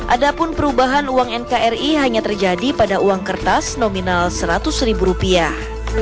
adapun perubahan uang nkri hanya terjadi pada uang kertas nominal seratus ribu rupiah